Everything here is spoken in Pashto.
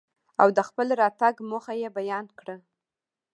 او دخپل راتګ موخه يې بيان کره.